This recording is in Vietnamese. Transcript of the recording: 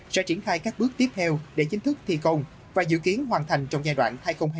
sẽ triển khai các bước tiếp theo để chính thức thi công và dự kiến hoàn thành trong giai đoạn hai nghìn hai mươi hai nghìn hai mươi năm